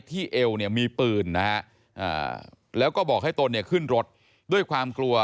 ที่เอวมีปืนแล้วก็บอกให้ตนขึ้นรถด้วยความกลัว